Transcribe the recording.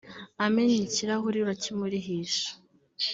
amennye ikirahuri urakimurihisha